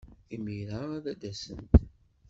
Imir-a ad d-asent.